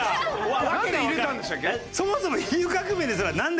なんで入れたんでしたっけ？